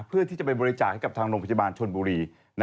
เพื่อที่จะไปบริจาคให้กับทางโรงพยาบาลชนบุรี